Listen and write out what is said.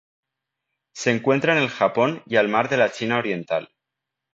Se encuentra en el Japón y al Mar de la China Oriental.